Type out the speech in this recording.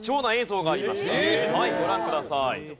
ご覧ください。